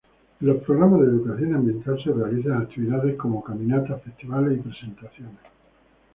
En los programas de educación ambiental se realizan actividades como caminatas, festivales y presentaciones.